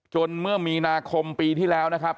เมื่อมีนาคมปีที่แล้วนะครับ